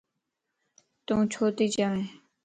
تون ڇو تي چوين؟